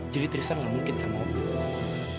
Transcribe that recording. jadi tristan gak mungkin sama opi